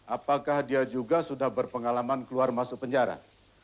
apakah dia juga sudah berpengalaman keluar masuk penjara